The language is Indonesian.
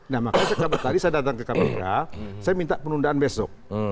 nah makanya tadi saya datang ke kapolda saya minta penundaan besok